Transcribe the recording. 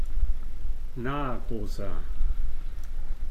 Na, Großer!